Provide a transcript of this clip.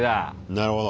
なるほど。